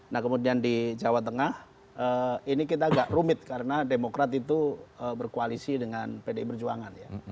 nah kemudian di jawa tengah ini kita agak rumit karena demokrat itu berkoalisi dengan pdi perjuangan ya